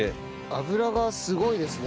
脂がすごいですね。